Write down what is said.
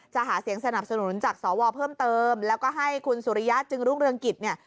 หาเสียงสนับสนุนจากสวเพิ่มเติมแล้วก็ให้คุณสุริยะจึงรุ่งเรืองกิจเนี่ย